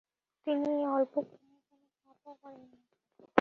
তিনি এ অল্প সময়ে কোন পাপও করেননি।